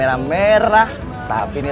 eh dia apa sih